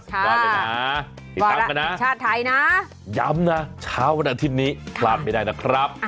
ค่ะว่าไหมนะพี่ค้ำกันนะย้ำนะช้าวนาทีนี้กลับไม่ได้นะครับ